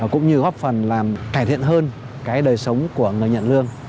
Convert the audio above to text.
cũng như góp phần làm cải thiện hơn cái đời sống của người nhận lương